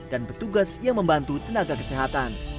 dan petugas yang membantu tenaga kesehatan